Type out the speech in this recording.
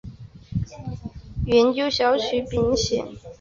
圆锹小曲柄藓为曲尾藓科小曲柄藓属下的一个种。